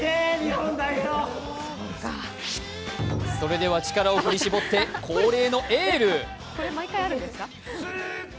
それでは、力を振り絞って恒例のエール。